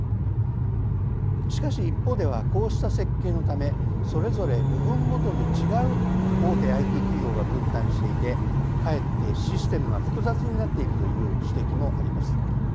しかし、一方ではこうした設計のためそれぞれ部分ごとに違う大手ＩＴ企業が分担していてかえってシステムが複雑になっているという指摘もあります。